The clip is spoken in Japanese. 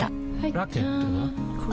ラケットは？